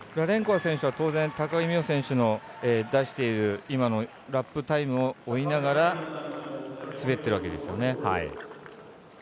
ラレンコワ選手は当然高木美帆選手の出している今のラップタイムを追いながら滑っているわけですよね。